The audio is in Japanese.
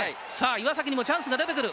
岩崎にもチャンスが出てくる。